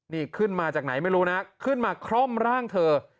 นี่ขึ้นมาจากไหนไม่รู้นะขึ้นมาคร่อมร่างเธอ